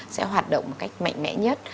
sẽ hoạt động một cách mạnh mẽ nhất